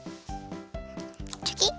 チョキ！